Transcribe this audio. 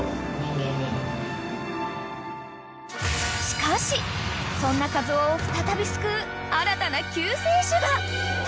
［しかしそんなカズオを再び救う新たな救世主が］